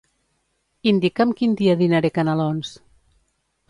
Indica'm quin dia dinaré canelons.